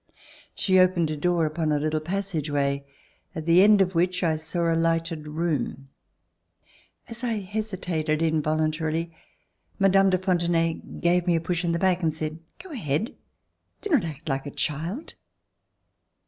She opened a door upon a little passageway, at the end of which I saw a lighted room. As I hesitated in voluntarily, Mme. de Fontenay gave me a push in the back, and said: "Go ahead! Do not act like a child."